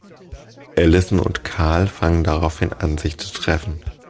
Allison und Carl fangen daraufhin an, sich zu treffen.